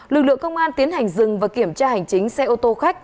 lực lượng công an tiến hành dừng và kiểm tra hành chính xe ô tô khách